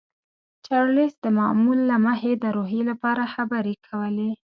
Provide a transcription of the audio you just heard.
چارلیس د معمول له مخې د روحیې لپاره خبرې کولې